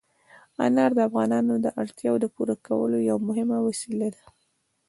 انار د افغانانو د اړتیاوو د پوره کولو یوه مهمه وسیله ده.